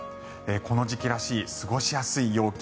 この時期らしい過ごしやすい陽気。